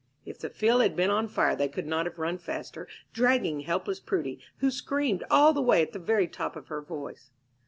If the field had been on fire they could not have run faster, dragging helpless Prudy, who screamed all the way at the very top of her voice.